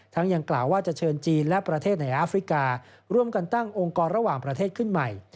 ยังกล่าวว่าจะเชิญจีนและประเทศในแอฟริการ่วมกันตั้งองค์กรระหว่างประเทศขึ้นใหม่